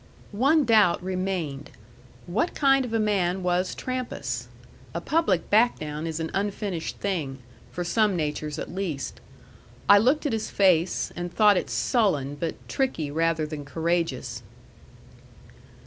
One doubt remained: what kind of a man was Trampas? A public back down is an unfinished thing, for some natures at least. I looked at his face, and thought it sullen, but tricky rather than courageous.